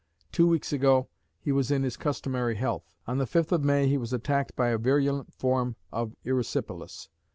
Two weeks ago he was in his customary health. On the 5th of May he was attacked by a virulent form of erysipelas.